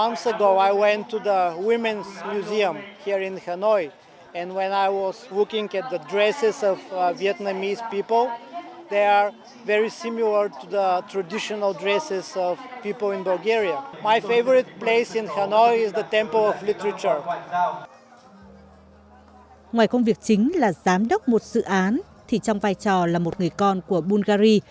ngoài công việc chính là giám đốc một sự án thì trong vai trò là một người con của bungary